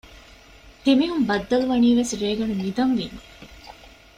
ދެމީހުން ބައްދަލުވަނީވެސް ރޭގަނޑު ނިދަން ވީމަ